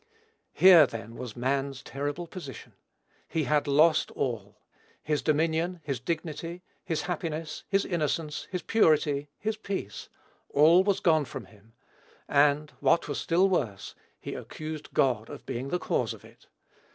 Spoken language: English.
Here, then, was man's terrible position. He had lost all. His dominion his dignity his happiness his innocence his purity his peace all was gone from him; and, what was still worse, he accused God of being the cause of it.